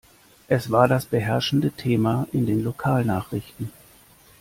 Es war das beherrschende Thema in den Lokalnachrichten.